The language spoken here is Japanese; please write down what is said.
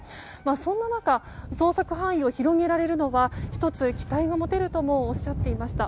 そんな中、捜索範囲を広げられるのは１つ期待が持てるとおっしゃっていました。